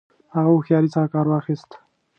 هغه هوښیاري څخه کار واخیست.